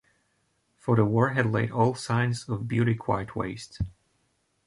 For the war had laid all signs of beauty quite waste.